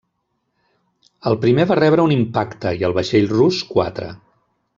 El primer va rebre un impacte i el vaixell rus quatre.